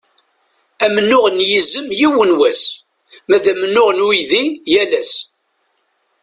Amennuɣ n yizem yiwen wass, ma d amennuɣ n uydi yal ass.